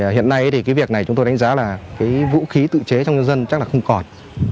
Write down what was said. hiện nay thì cái việc này chúng tôi đánh giá là cái vũ khí tự chế trong nhân dân chắc là không còn